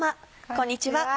こんにちは。